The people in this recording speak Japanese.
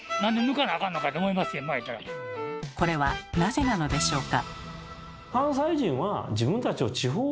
これはなぜなのでしょうか？